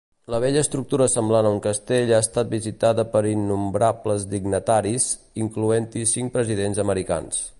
La vella estructura semblant a un castell ha estat visitada per innombrables dignataris, incloent-hi cinc presidents americans.